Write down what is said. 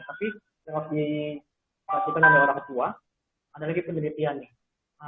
tapi kalau diperhatikan oleh orang tua ada lagi penelitian nih